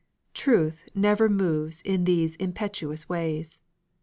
Truth never moves in those impetuous ways.